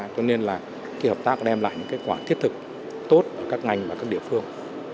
cho nên là khi hợp tác đem lại những cái quả thiết thực tốt các ngành và các địa phương